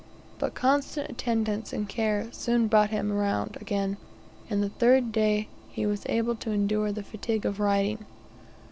But constant attendance and care soon brought him round again; and on the third day he was able to endure the fatigue of riding.